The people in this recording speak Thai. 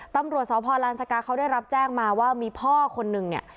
ตำรวจสพลานสกาเขาได้รับแจ้งมาว่ามีพ่อคนนึงเนี่ย